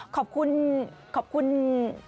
แล้วก็ขอบคุณทีมช่างแต่งหน้าของคุณส้มที่ให้เรานำเสนอข่าวนี้